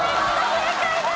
正解です。